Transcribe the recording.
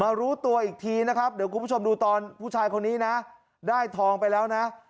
รู้ตัวอีกทีนะครับเดี๋ยวคุณผู้ชมดูตอนผู้ชายคนนี้นะได้ทองไปแล้วนะ